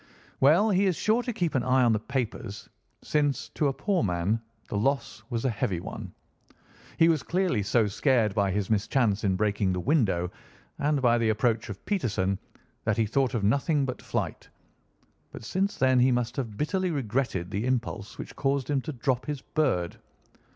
"Well, he is sure to keep an eye on the papers, since, to a poor man, the loss was a heavy one. He was clearly so scared by his mischance in breaking the window and by the approach of Peterson that he thought of nothing but flight, but since then he must have bitterly regretted the impulse which caused him to drop his bird.